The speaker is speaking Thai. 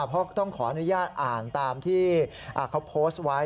เพราะต้องขออนุญาตอ่านตามที่เขาโพสต์ไว้